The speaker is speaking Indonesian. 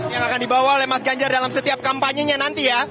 yang akan dibawa oleh mas ganjar dalam setiap kampanye nya nanti ya